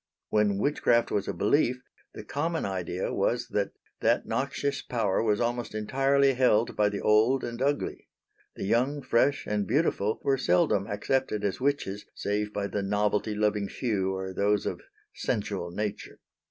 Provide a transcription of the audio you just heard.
When witchcraft was a belief, the common idea was that that noxious power was almost entirely held by the old and ugly. The young, fresh, and beautiful, were seldom accepted as witches save by the novelty loving few or those of sensual nature.